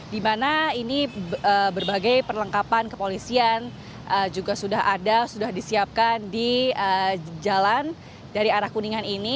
di mana ini berbagai perlengkapan kepolisian juga sudah ada sudah disiapkan di jalan dari arah kuningan ini